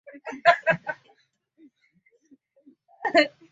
wa ubaguzi wa rangi dola miamoja Katika